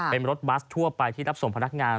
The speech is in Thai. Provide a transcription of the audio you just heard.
เป็นรถบัสทั่วไปที่รับส่งพนักงาน